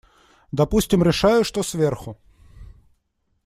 Допустим, решаю, что сверху.